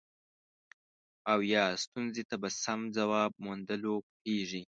او یا ستونزې ته په سم ځواب موندلو پوهیږي.